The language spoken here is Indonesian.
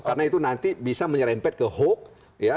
karena itu nanti bisa menyerempet ke hoax